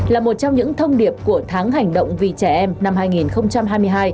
là một trong những thông điệp của tháng hành động vì trẻ em năm hai nghìn hai mươi hai